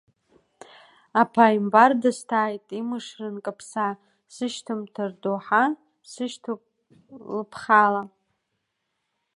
Аԥааимбар дысҭааит имышра нкаԥса, сышьҭамҭа рдоуҳа сышьҭоуп лыԥхала.